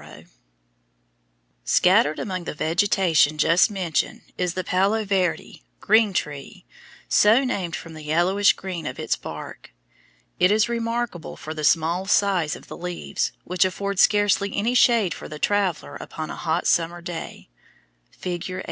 OCATILLA] Scattered among the vegetation just mentioned is the palo verde (green tree), so named from the yellowish green of its bark. It is remarkable for the small size of the leaves, which afford scarcely any shade for the traveller upon a hot summer day. (Fig. 84.)